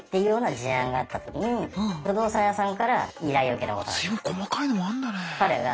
その方は随分細かいのもあんだね。